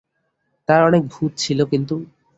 তার অনেক ভূত ছিল, কিন্তু।